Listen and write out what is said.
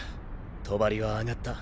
帳は上がった。